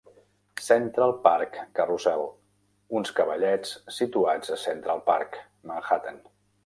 Central Park Carousel: uns cavallets situats a Central Park, Manhattan.